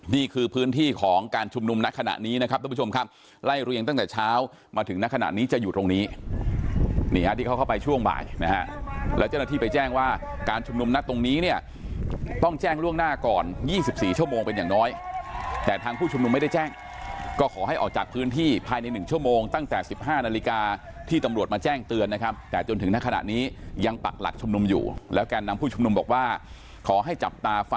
นี่คือพื้นที่ของการชุมนุมนัดขณะนี้นะครับทุกผู้ชมครับไล่เรียงตั้งแต่เช้ามาถึงนัดขณะนี้จะอยู่ตรงนี้นี่ฮะที่เขาเข้าไปช่วงบ่ายนะฮะแล้วเจ้าหน้าที่ไปแจ้งว่าการชุมนุมนัดตรงนี้เนี่ยต้องแจ้งล่วงหน้าก่อน๒๔ชั่วโมงเป็นอย่างน้อยแต่ทางผู้ชุมนุมไม่ได้แจ้งก็ขอให้ออกจากพื้นที่ภายใน๑ชั่ว